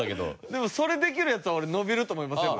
でもそれできるヤツは俺伸びると思いますよ。